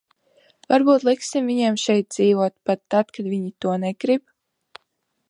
Varbūt liksim viņiem šeit dzīvot pat tad, kad viņi to negrib?